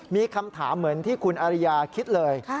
มีคำถามเหมือนที่คุณอาริยาคิดเลย